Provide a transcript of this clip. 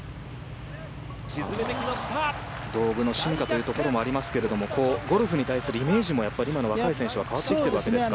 道具の進化というところもありますがゴルフに対するイメージも今の若い選手は変わってきているわけですか。